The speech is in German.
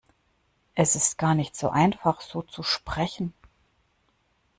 Es ist gar nicht so einfach, so zu sprechen.